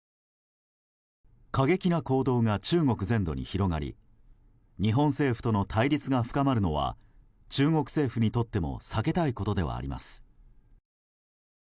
過激な行動が中国全土に広がり日本政府との対立が深まるのは中国政府にとっても避けたいことではあります。